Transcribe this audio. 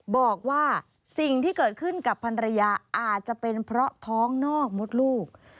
บอกว่าสิ่งที่เกิดขึ้นกับพันรยาอาจจะเป็นเพราะท้องนอกมดลูก